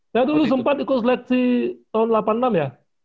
saya dulu sempat ikut leksi tahun delapan puluh enam ya